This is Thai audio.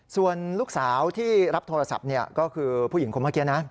ส่วนลูกสาวที่รับโทรศัพท์ก็คือผู้หญิงคนเมื่อกี้นะ